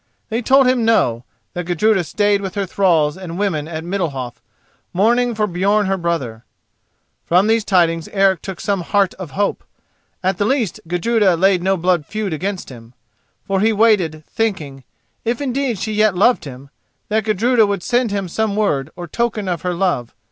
They told him no; that Gudruda stayed with her thralls and women at Middalhof, mourning for Björn her brother. From these tidings Eric took some heart of hope: at the least Gudruda laid no blood feud against him. For he waited, thinking, if indeed she yet loved him, that Gudruda would send him some word or token of her love.